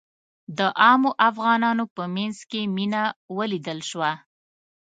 د عامو افغانانو په منځ کې مينه ولیدل شوه.